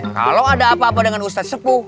kalau ada apa apa dengan ustadz sepuh